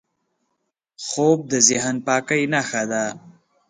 خوب د ذهن پاکۍ نښه ده